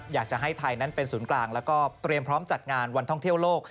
อยากจะให้ไทยนั้นเป็นศูนย์กลางแล้วก็เตรียมพร้อมจัดงานวันท่องเที่ยวโลก